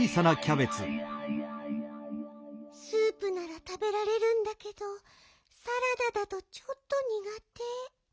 スープならたべられるんだけどサラダだとちょっとにがて。